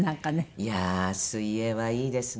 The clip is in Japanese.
いやあ水泳はいいですね。